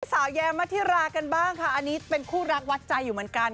แยมมาธิรากันบ้างค่ะอันนี้เป็นคู่รักวัดใจอยู่เหมือนกัน